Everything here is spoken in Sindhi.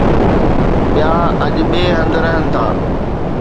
ٻيا اڄ ٻئي هنڌ رهن ٿا